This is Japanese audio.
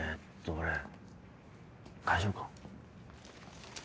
俺大丈夫かな？